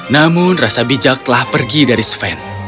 namun rasa bijak telah pergi dari sven